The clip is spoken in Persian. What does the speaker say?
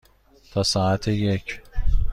تا ساعت یک.